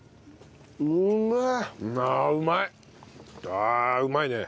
ああうまいね。